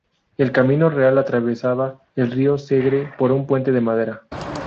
El camino real atravesaba el río Segre por un puente de madera.